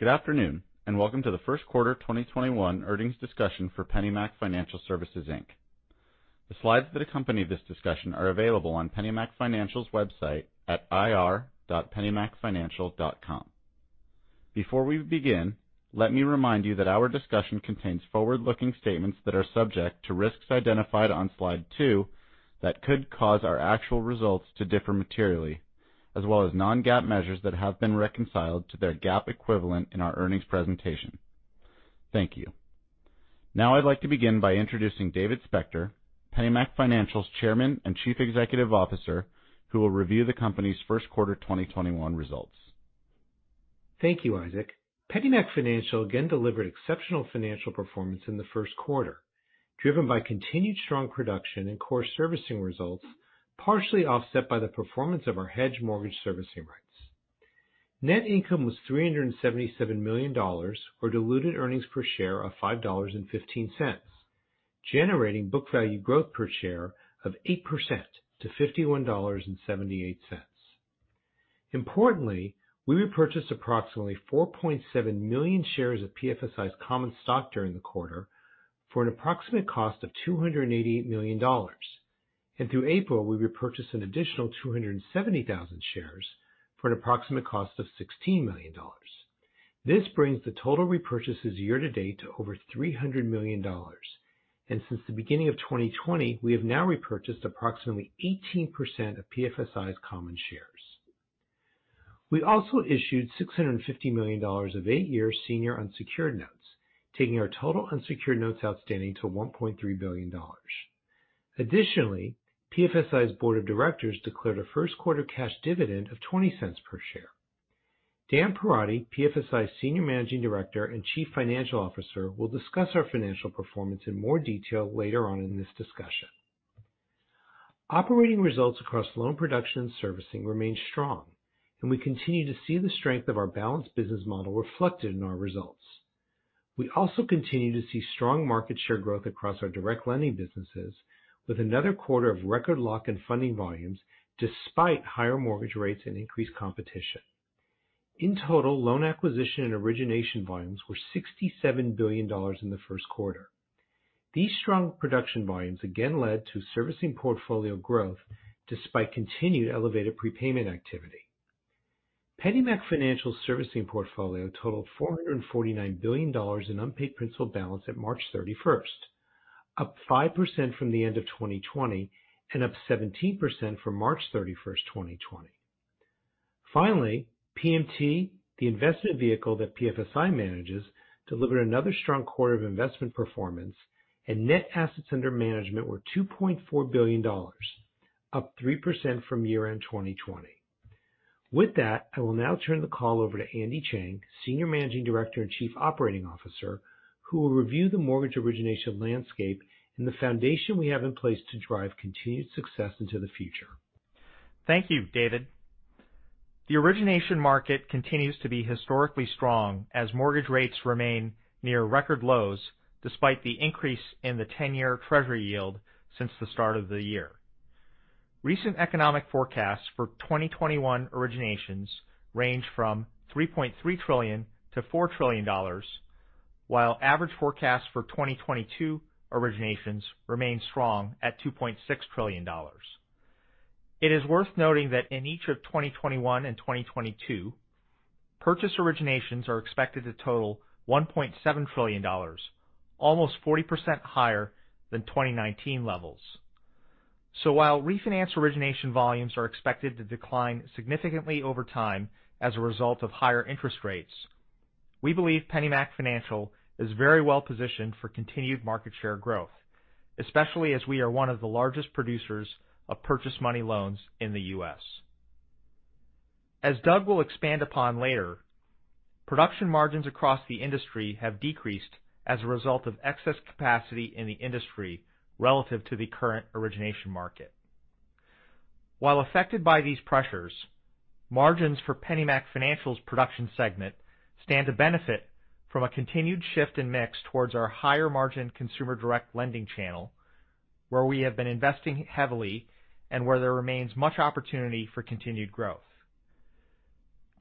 Good afternoon, and welcome to the first quarter 2021 earnings discussion for PennyMac Financial Services, Inc. The slides that accompany this discussion are available on PennyMac Financial's website at ir.pennymacfinancial.com. Before we begin, let me remind you that our discussion contains forward-looking statements that are subject to risks identified on slide two that could cause our actual results to differ materially, as well as non-GAAP measures that have been reconciled to their GAAP equivalent in our earnings presentation. Thank you. I'd like to begin by introducing David Spector, PennyMac Financial's Chairman and Chief Executive Officer, who will review the company's first quarter 2021 results. Thank you, Isaac. PennyMac Financial again delivered exceptional financial performance in the first quarter, driven by continued strong production in core servicing results, partially offset by the performance of our hedged mortgage servicing rights. Net income was $377 million, or diluted earnings per share of $5.15, generating book value growth per share of 8% to $51.78. Importantly, we repurchased approximately 4.7 million shares of PFSI's common stock during the quarter for an approximate cost of $288 million. Through April, we repurchased an additional 270,000 shares for an approximate cost of $16 million. This brings the total repurchases year to date to over $300 million. Since the beginning of 2020, we have now repurchased approximately 18% of PFSI's common shares. We also issued $650 million of eight-year senior unsecured notes, taking our total unsecured notes outstanding to $1.3 billion. Additionally, PFSI's Board of Directors declared a first quarter cash dividend of $0.20 per share. Dan Perotti, PFSI's Senior Managing Director and Chief Financial Officer, will discuss our financial performance in more detail later on in this discussion. Operating results across loan production and servicing remained strong, and we continue to see the strength of our balanced business model reflected in our results. We also continue to see strong market share growth across our direct lending businesses, with another quarter of record lock and funding volumes despite higher mortgage rates and increased competition. In total, loan acquisition and origination volumes were $67 billion in the first quarter. These strong production volumes again led to servicing portfolio growth despite continued elevated prepayment activity. PennyMac Financial's servicing portfolio totaled $449 billion in unpaid principal balance at March 31st, up 5% from the end of 2020 and up 17% from March 31st, 2020. Finally, PMT, the investment vehicle that PFSI manages, delivered another strong quarter of investment performance and net assets under management were $2.4 billion, up 3% from year-end 2020. With that, I will now turn the call over to Andy Chang, Senior Managing Director and Chief Operating Officer, who will review the mortgage origination landscape and the foundation we have in place to drive continued success into the future. Thank you, David. The origination market continues to be historically strong as mortgage rates remain near record lows despite the increase in the 10-year Treasury yield since the start of the year. Recent economic forecasts for 2021 originations range from $3.3 trillion-$4 trillion, while average forecasts for 2022 originations remain strong at $2.6 trillion. It is worth noting that in each of 2021 and 2022, purchase originations are expected to total $1.7 trillion, almost 40% higher than 2019 levels. While refinance origination volumes are expected to decline significantly over time as a result of higher interest rates, we believe PennyMac Financial is very well positioned for continued market share growth, especially as we are one of the largest producers of purchase money loans in the U.S. As Doug will expand upon later, production margins across the industry have decreased as a result of excess capacity in the industry relative to the current origination market. While affected by these pressures, margins for PennyMac Financial's production segment stand to benefit from a continued shift in mix towards our higher margin consumer direct lending channel, where we have been investing heavily and where there remains much opportunity for continued growth.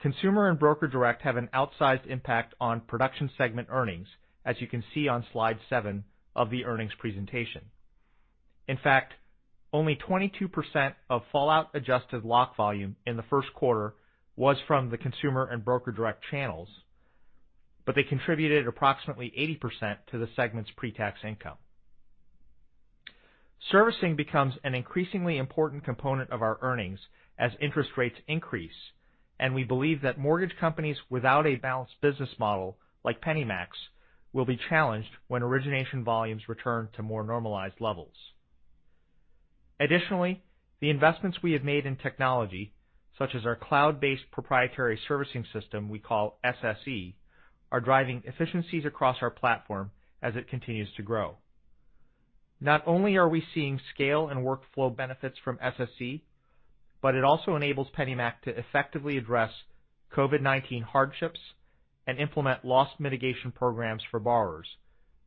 Consumer and broker direct have an outsized impact on production segment earnings, as you can see on slide seven of the earnings presentation. In fact, only 22% of fallout adjusted lock volume in the first quarter was from the consumer and broker direct channels, but they contributed approximately 80% to the segment's pre-tax income. Servicing becomes an increasingly important component of our earnings as interest rates increase. We believe that mortgage companies without a balanced business model, like PennyMac's, will be challenged when origination volumes return to more normalized levels. The investments we have made in technology, such as our cloud-based proprietary servicing system we call SSE, are driving efficiencies across our platform as it continues to grow. Not only are we seeing scale and workflow benefits from SSE, but it also enables PennyMac to effectively address COVID-19 hardships and implement loss mitigation programs for borrowers,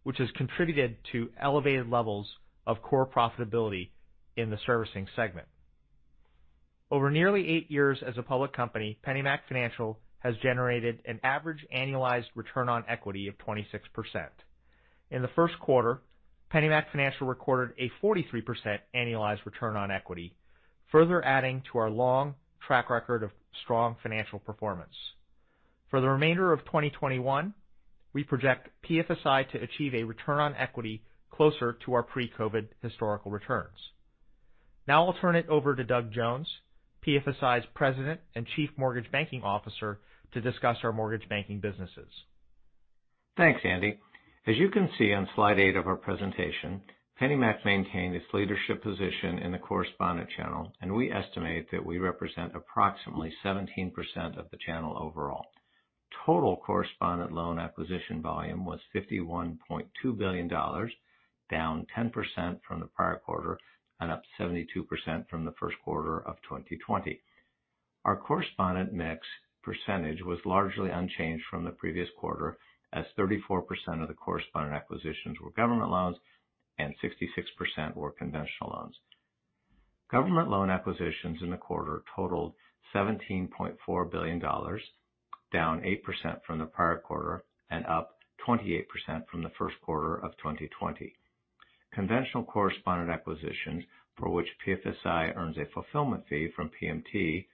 which has contributed to elevated levels of core profitability in the servicing segment. Over nearly eight years as a public company, PennyMac Financial has generated an average annualized return on equity of 26%. In the first quarter, PennyMac Financial recorded a 43% annualized return on equity, further adding to our long track record of strong financial performance. For the remainder of 2021, we project PFSI to achieve a return on equity closer to our pre-COVID historical returns. I'll turn it over to Doug Jones, PFSI's President and Chief Mortgage Banking Officer, to discuss our mortgage banking businesses. Thanks, Andy. As you can see on slide eight of our presentation, PennyMac maintained its leadership position in the correspondent channel, and we estimate that we represent approximately 17% of the channel overall. Total correspondent loan acquisition volume was $51.2 billion, down 10% from the prior quarter and up 72% from the first quarter of 2020. Our correspondent mix percentage was largely unchanged from the previous quarter, as 34% of the correspondent acquisitions were government loans and 66% were conventional loans. Government loan acquisitions in the quarter totaled $17.4 billion, down 8% from the prior quarter and up 28% from the first quarter of 2020. Conventional correspondent acquisitions, for which PFSI earns a fulfillment fee from PMT,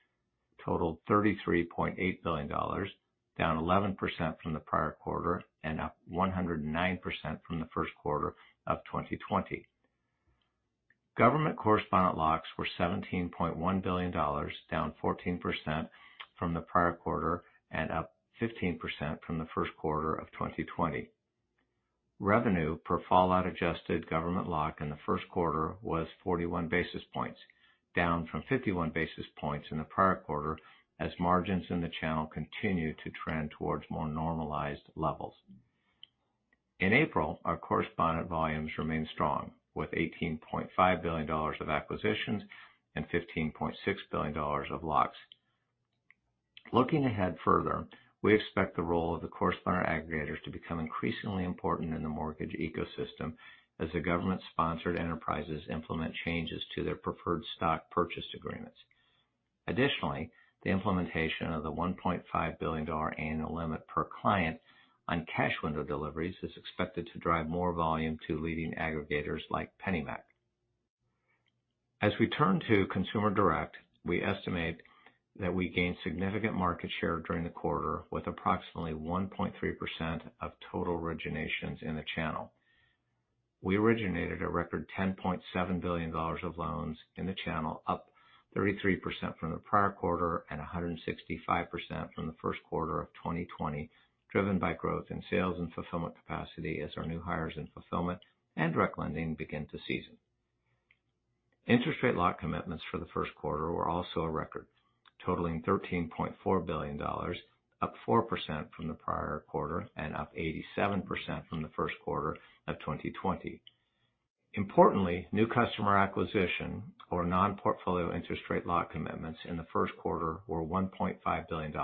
totaled $33.8 billion, down 11% from the prior quarter and up 109% from the first quarter of 2020. Government correspondent locks were $17.1 billion, down 14% from the prior quarter and up 15% from the first quarter of 2020. Revenue per fallout adjusted government lock in the first quarter was 41 basis points, down from 51 basis points in the prior quarter, as margins in the channel continue to trend towards more normalized levels. In April, our correspondent volumes remained strong, with $18.5 billion of acquisitions and $15.6 billion of locks. Looking ahead further, we expect the role of the correspondent aggregators to become increasingly important in the mortgage ecosystem as the government-sponsored enterprises implement changes to their Preferred Stock Purchase Agreements. The implementation of the $1.5 billion annual limit per client on cash window deliveries is expected to drive more volume to leading aggregators like PennyMac. As we turn to consumer direct, we estimate that we gained significant market share during the quarter with approximately 1.3% of total originations in the channel. We originated a record $10.7 billion of loans in the channel, up 33% from the prior quarter and 165% from the first quarter of 2020, driven by growth in sales and fulfillment capacity as our new hires in fulfillment and direct lending begin to season. Interest rate lock commitments for the first quarter were also a record, totaling $13.4 billion, up 4% from the prior quarter and up 87% from the first quarter of 2020. Importantly, new customer acquisition or non-portfolio interest rate lock commitments in the first quarter were $1.5 billion,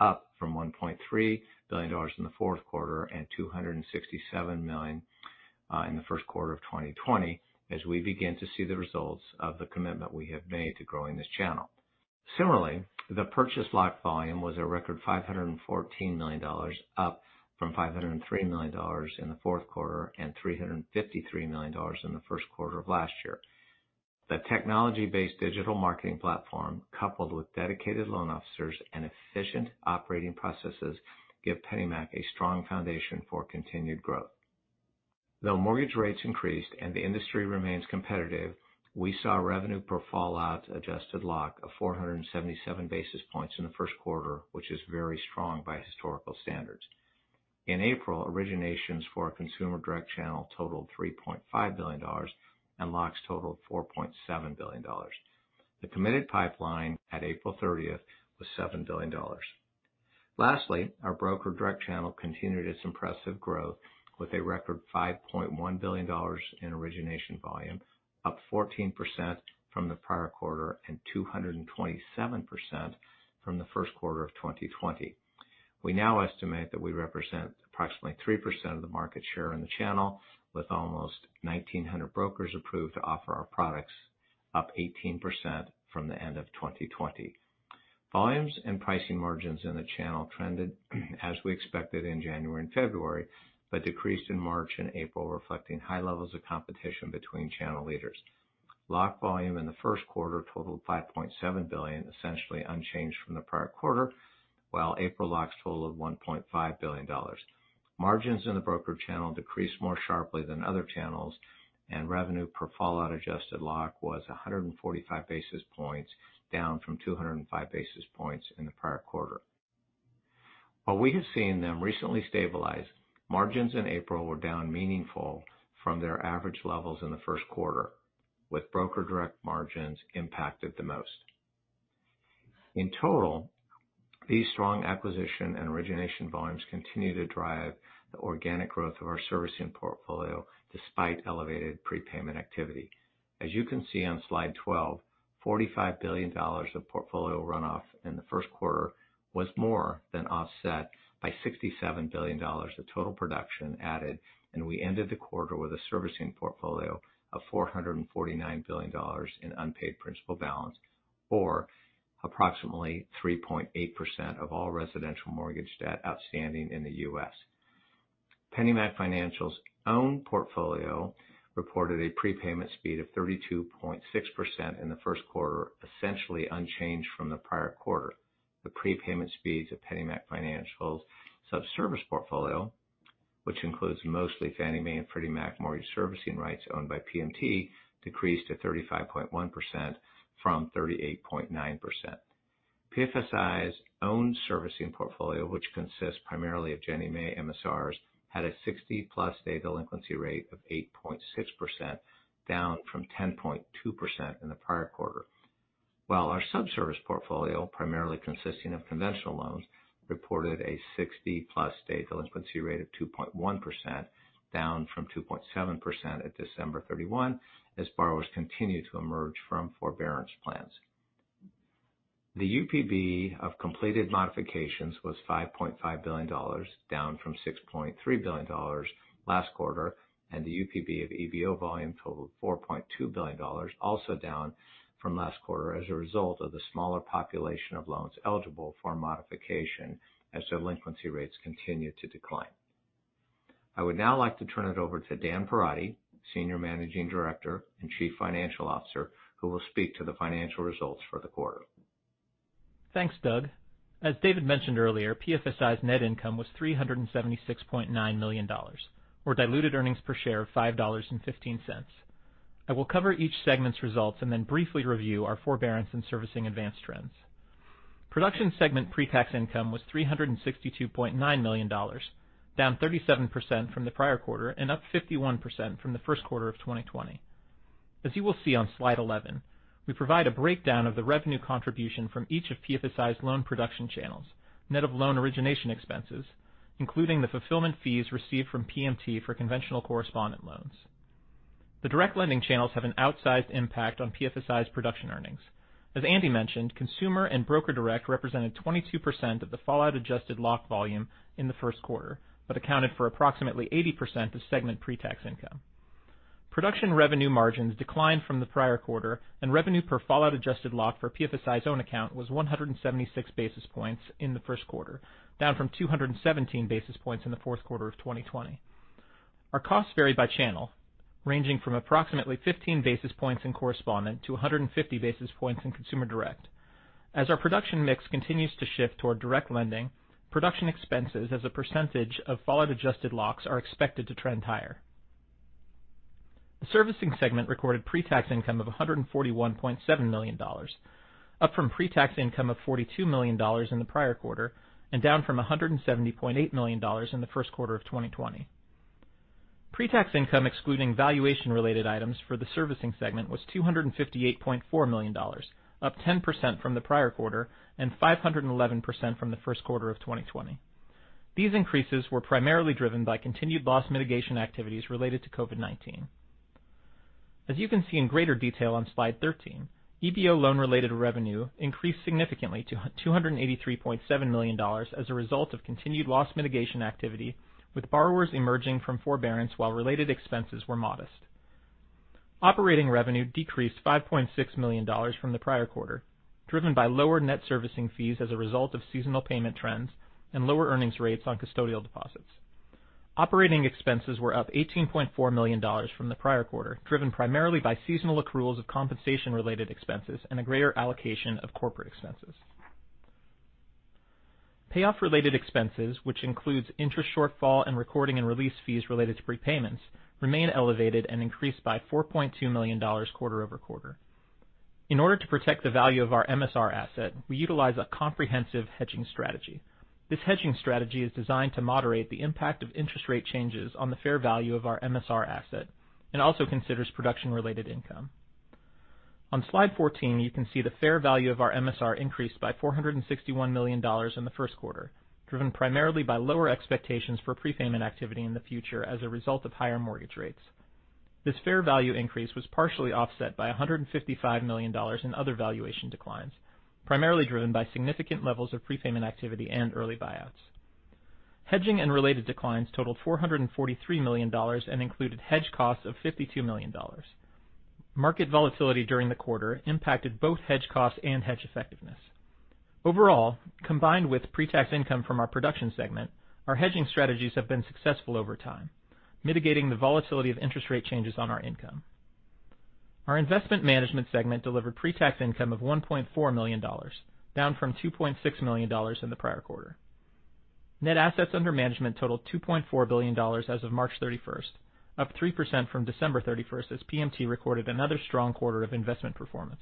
up from $1.3 billion in the fourth quarter and $267 million in the first quarter of 2020 as we begin to see the results of the commitment we have made to growing this channel. Similarly, the purchase lock volume was a record $514 million, up from $503 million in the fourth quarter and $353 million in the first quarter of last year. The technology-based digital marketing platform, coupled with dedicated loan officers and efficient operating processes, give PennyMac a strong foundation for continued growth. Though mortgage rates increased and the industry remains competitive, we saw revenue per fallout adjusted lock of 477 basis points in the first quarter, which is very strong by historical standards. In April, originations for our consumer direct channel totaled $3.5 billion and locks totaled $4.7 billion. The committed pipeline at April 30th was $7 billion. Lastly, our broker direct channel continued its impressive growth with a record $5.1 billion in origination volume, up 14% from the prior quarter and 227% from the first quarter of 2020. We now estimate that we represent approximately 3% of the market share in the channel, with almost 1,900 brokers approved to offer our products, up 18% from the end of 2020. Volumes and pricing margins in the channel trended as we expected in January and February, but decreased in March and April, reflecting high levels of competition between channel leaders. Lock volume in the first quarter totaled $5.7 billion, essentially unchanged from the prior quarter, while April locks totaled $1.5 billion. Margins in the broker channel decreased more sharply than other channels. Revenue per fallout adjusted lock was 145 basis points, down from 205 basis points in the prior quarter. While we have seen them recently stabilize, margins in April were down meaningfully from their average levels in the first quarter, with broker direct margins impacted the most. In total, these strong acquisition and origination volumes continue to drive the organic growth of our servicing portfolio despite elevated prepayment activity. As you can see on slide 12, $45 billion of portfolio runoff in the first quarter was more than offset by $67 billion of total production added, and we ended the quarter with a servicing portfolio of $449 billion in unpaid principal balance, or approximately 3.8% of all residential mortgage debt outstanding in the U.S. PennyMac Financial's own portfolio reported a prepayment speed of 32.6% in the first quarter, essentially unchanged from the prior quarter. The prepayment speeds of PennyMac Financial's subservice portfolio, which includes mostly Fannie Mae and Freddie Mac mortgage servicing rights owned by PMT, decreased to 35.1% from 38.9%. PFSI's own servicing portfolio, which consists primarily of Ginnie Mae MSRs, had a 60+ day delinquency rate of 8.6%, down from 10.2% in the prior quarter. While our subservice portfolio, primarily consisting of conventional loans, reported a 60-plus day delinquency rate of 2.1%, down from 2.7% at December 31, as borrowers continue to emerge from forbearance plans. The UPB of completed modifications was $5.5 billion, down from $6.3 billion last quarter, and the UPB of EBO volume totaled $4.2 billion, also down from last quarter as a result of the smaller population of loans eligible for modification as delinquency rates continue to decline. I would now like to turn it over to Dan Perotti, Senior Managing Director and Chief Financial Officer, who will speak to the financial results for the quarter. Thanks, Doug. As David mentioned earlier, PFSI's net income was $376.9 million, or diluted earnings per share of $5.15. I will cover each segment's results and then briefly review our forbearance and servicing advanced trends. Production segment pre-tax income was $362.9 million, down 37% from the prior quarter and up 51% from the first quarter of 2020. As you will see on slide 11, we provide a breakdown of the revenue contribution from each of PFSI's loan production channels, net of loan origination expenses, including the fulfillment fees received from PMT for conventional correspondent loans. The direct lending channels have an outsized impact on PFSI's production earnings. As Andy mentioned, consumer and broker direct represented 22% of the fallout adjusted lock volume in the first quarter, but accounted for approximately 80% of segment pre-tax income. Production revenue margins declined from the prior quarter, and revenue per fallout adjusted lock for PFSI's own account was 176 basis points in the first quarter, down from 217 basis points in the fourth quarter of 2020. Our costs varied by channel, ranging from approximately 15 basis points in correspondent to 150 basis points in consumer direct. As our production mix continues to shift toward direct lending, production expenses as a percentage of fallout adjusted locks are expected to trend higher. The servicing segment recorded pre-tax income of $141.7 million, up from pre-tax income of $42 million in the prior quarter, and down from $170.8 million in the first quarter of 2020. Pre-tax income excluding valuation related items for the servicing segment was $258.4 million, up 10% from the prior quarter and 511% from the first quarter of 2020. These increases were primarily driven by continued loss mitigation activities related to COVID-19. As you can see in greater detail on slide 13, EBO loan-related revenue increased significantly to $283.7 million as a result of continued loss mitigation activity, with borrowers emerging from forbearance while related expenses were modest. Operating revenue decreased $5.6 million from the prior quarter, driven by lower net servicing fees as a result of seasonal payment trends and lower earnings rates on custodial deposits. Operating expenses were up $18.4 million from the prior quarter, driven primarily by seasonal accruals of compensation-related expenses and a greater allocation of corporate expenses. Payoff-related expenses, which includes interest shortfall and recording and release fees related to prepayments, remain elevated and increased by $4.2 million quarter-over-quarter. In order to protect the value of our MSR asset, we utilize a comprehensive hedging strategy. This hedging strategy is designed to moderate the impact of interest rate changes on the fair value of our MSR asset, and also considers production-related income. On slide 14, you can see the fair value of our MSR increased by $461 million in the first quarter, driven primarily by lower expectations for prepayment activity in the future as a result of higher mortgage rates. This fair value increase was partially offset by $155 million in other valuation declines, primarily driven by significant levels of prepayment activity and early buyouts. Hedging and related declines totaled $443 million and included hedge costs of $52 million. Market volatility during the quarter impacted both hedge costs and hedge effectiveness. Overall, combined with pre-tax income from our production segment, our hedging strategies have been successful over time, mitigating the volatility of interest rate changes on our income. Our investment management segment delivered pre-tax income of $1.4 million, down from $2.6 million in the prior quarter. Net assets under management totaled $2.4 billion as of March 31st, up 3% from December 31st as PMT recorded another strong quarter of investment performance.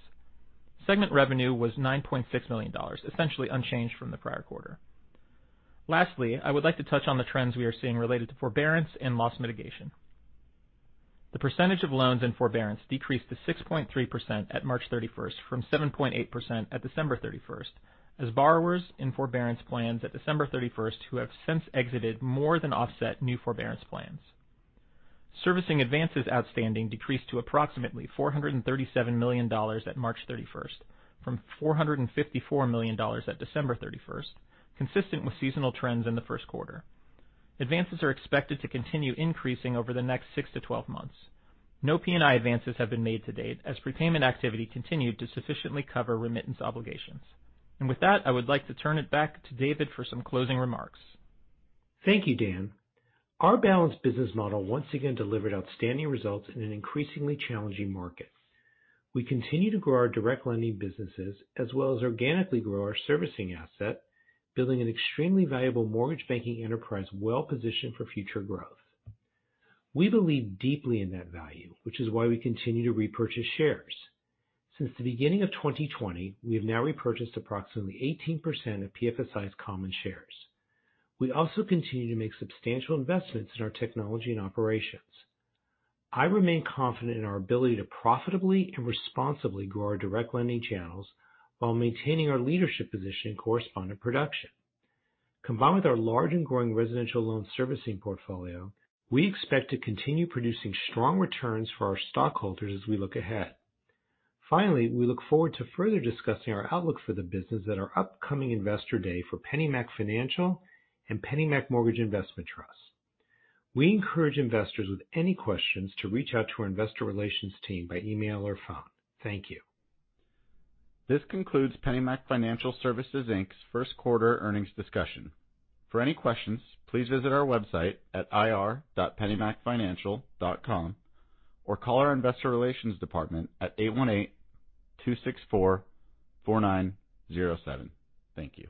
Segment revenue was $9.6 million, essentially unchanged from the prior quarter. Lastly, I would like to touch on the trends we are seeing related to forbearance and loss mitigation. The percentage of loans in forbearance decreased to 6.3% at March 31st from 7.8% at December 31st, as borrowers in forbearance plans at December 31st who have since exited more than offset new forbearance plans. Servicing advances outstanding decreased to approximately $437 million at March 31st from $454 million at December 31st, consistent with seasonal trends in the first quarter. Advances are expected to continue increasing over the next six to 12 months. No P&I advances have been made to date, as prepayment activity continued to sufficiently cover remittance obligations. With that, I would like to turn it back to David for some closing remarks. Thank you, Dan. Our balanced business model once again delivered outstanding results in an increasingly challenging market. We continue to grow our direct lending businesses as well as organically grow our servicing asset, building an extremely valuable mortgage banking enterprise well-positioned for future growth. We believe deeply in that value, which is why we continue to repurchase shares. Since the beginning of 2020, we have now repurchased approximately 18% of PFSI's common shares. We also continue to make substantial investments in our technology and operations. I remain confident in our ability to profitably and responsibly grow our direct lending channels while maintaining our leadership position in correspondent production. Combined with our large and growing residential loan servicing portfolio, we expect to continue producing strong returns for our stockholders as we look ahead. Finally, we look forward to further discussing our outlook for the business at our upcoming Investor Day for PennyMac Financial and PennyMac Mortgage Investment Trust. We encourage investors with any questions to reach out to our investor relations team by email or phone. Thank you. This concludes PennyMac Financial Services Inc.'s first quarter earnings discussion. For any questions, please visit our website at ir.pennymacfinancial.com, or call our investor relations department at 818-264-4907. Thank you.